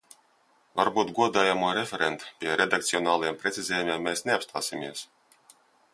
Varbūt, godājamo referent, pie redakcionāliem precizējumiem mēs neapstāsimies.